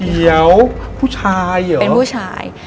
เดี๋ยวผู้ชายเหรอเป็นผู้ชาย